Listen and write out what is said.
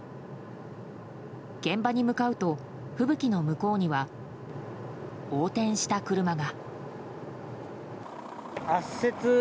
現場に向かうと吹雪の向こうには横転した車が。